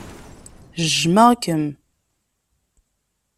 Jjmeɣ-kem.